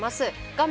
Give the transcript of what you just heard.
画面